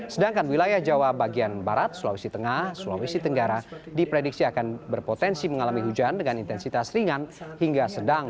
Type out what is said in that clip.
sedangkan wilayah jawa bagian barat sulawesi tengah sulawesi tenggara diprediksi akan berpotensi mengalami hujan dengan intensitas ringan hingga sedang